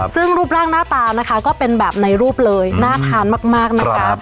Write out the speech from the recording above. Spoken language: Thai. ซึ่งรูปร่างหน้าตานะคะก็เป็นแบบในรูปเลยน่าทานมากนะคะ